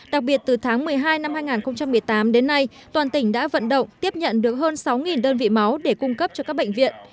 đặc biệt từ tháng một mươi hai năm hai nghìn một mươi tám đến nay toàn tỉnh đã vận động tiếp nhận được hơn sáu đơn vị máu để cung cấp cho các bệnh viện